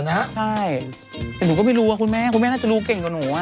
ใช่แต่หนูก็ไม่รู้ว่าคุณแม่คุณแม่น่าจะรู้เก่งกว่าหนู